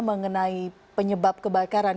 mengenai penyebab kebakaran